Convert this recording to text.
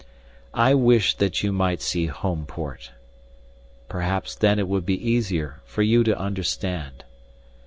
"I wish that you might see Homeport. Perhaps then it would be easier for you to understand.